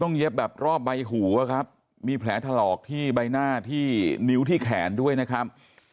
เย็บแบบรอบใบหูอะครับมีแผลถลอกที่ใบหน้าที่นิ้วที่แขนด้วยนะครับ